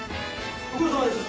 ご苦労さまです！